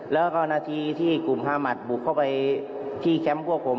แล้วก็นาทีที่กลุ่มฮามัดบุกเข้าไปที่แคมป์พวกผม